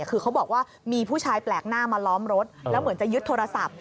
คือเขาบอกว่ามีผู้ชายแปลกหน้ามาล้อมรถแล้วเหมือนจะยึดโทรศัพท์